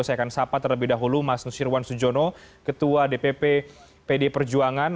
saya akan sapa terlebih dahulu mas nusirwan sujono ketua dpp pd perjuangan